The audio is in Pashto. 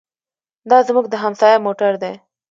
دا زموږ د همسایه موټر دی.